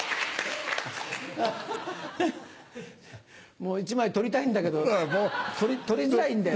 もう１枚取りたいんだけど取りづらいんだよ。